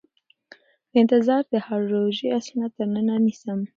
د انتظار د هاړ روژې اشنا تر ننه نيسم